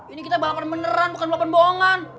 ini kita balapan beneran bukan balapan bohongan